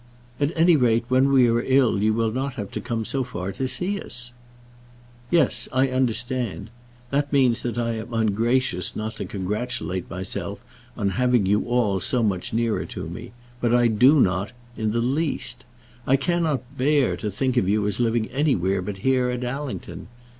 "At any rate, when we are ill you will not have so far to come and see us." "Yes, I understand. That means that I am ungracious not to congratulate myself on having you all so much nearer to me; but I do not in the least. I cannot bear to think of you as living anywhere but here at Allington.